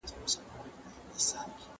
ډیپلوماټان به ګډي ناستي جوړوي.